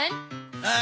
ああ。